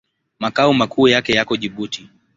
Makao makuu yake yako Jibuti.